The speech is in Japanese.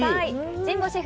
神保シェフ